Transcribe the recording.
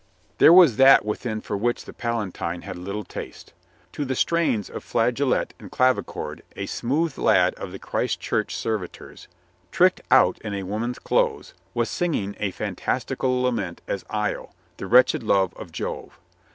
There was that within for which the Palatine had little taste. To the strains of flageolet and clavichord a smooth lad of the Christ Church servitors, tricked out in a woman's clothes, was singing a fantastical lament as lo, the wretched love of Jove.